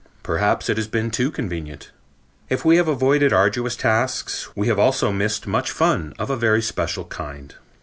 Perhaps it has been too convenient. If we have avoided arduous tasks, we have also missed much fun of a very special kind.